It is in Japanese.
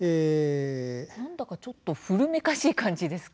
なんだかちょっと古めかしい感じですか。